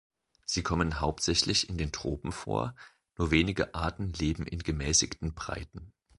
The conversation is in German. Sie kommen hauptsächlich in den Tropen vor, nur wenige Arten leben in gemäßigten Breiten.